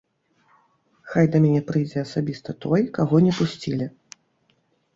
Хай да мяне прыйдзе асабіста той, каго не пусцілі.